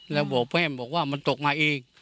แล้วบอกเพื่อนบอกว่ามันตกมาเอง